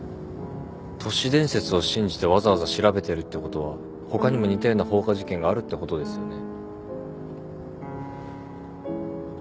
都市伝説を信じてわざわざ調べてるってことは他にも似たような放火事件があるってことですよね。